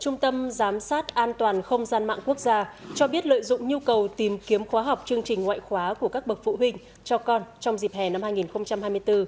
trung tâm giám sát an toàn không gian mạng quốc gia cho biết lợi dụng nhu cầu tìm kiếm khóa học chương trình ngoại khóa của các bậc phụ huynh cho con trong dịp hè năm hai nghìn hai mươi bốn